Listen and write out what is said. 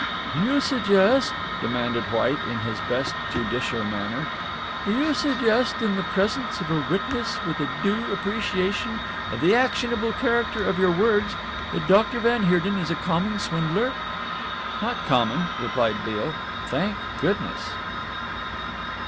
"Do you suggest," demanded White, in his best judicial manner, "do you suggest in the presence of a witness with a due appreciation of the actionable character of your words that Doctor van Heerden is a common swindler?" "Not common," replied Beale, "thank goodness!"